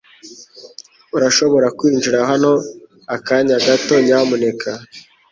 Urashobora kwinjira hano akanya gato, nyamuneka?